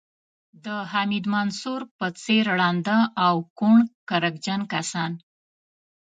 د حفیظ منصور په څېر ړانده او کڼ کرکجن کسان.